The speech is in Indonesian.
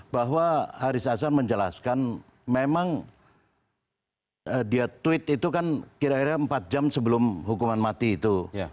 bahwa haris azhar menjelaskan memang dia tweet itu kan kira kira empat jam sebelum hukuman mati itu